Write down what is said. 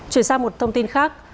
chuyển sang một thông tin khác